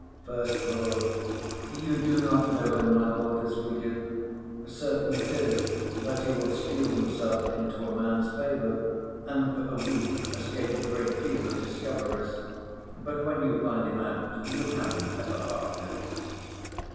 SECOND LORD. You do not know him, my lord, as we do; certain it is that he will steal himself into a man's favour, and for a week escape a great deal of discoveries, but when you find him out, you have him ever after.